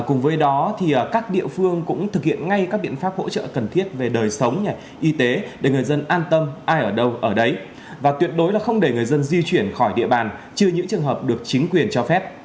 cùng với đó thì các địa phương cũng thực hiện ngay các biện pháp hỗ trợ cần thiết về đời sống y tế để người dân an tâm ai ở đâu ở đấy và tuyệt đối là không để người dân di chuyển khỏi địa bàn trừ những trường hợp được chính quyền cho phép